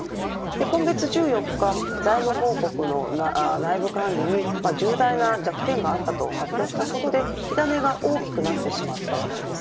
今月１４日、財務報告の内部管理に重大な弱点があったと発表したことで火種が大きくなってしまったわけです。